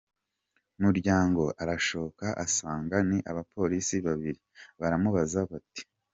muryango, arasohoka asanga ni abapolisi babiri, baramubaza bati.